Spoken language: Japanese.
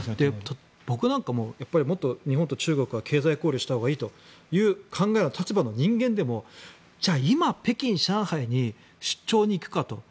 僕なんかも日本と中国はもっと経済交流をしたほうがいいという立場の人間でもじゃあ今、北京、上海に出張に行くかと。